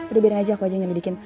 udah biarin aja aku aja yang ledekin